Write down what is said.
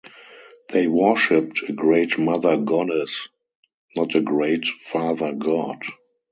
They worshipped a great Mother Goddess, not a great Father God.